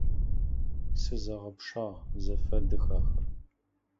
Сызэгъэпшагъ, зэфэдых ахэр!